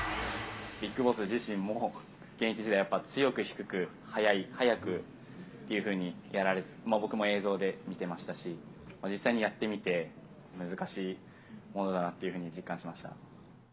ビッグボス自身も現役時代やっぱ強く低く、速くというふうにやられて、僕も映像で見てましたし、実際にやってみて、難しいものだなというふうに実感しました。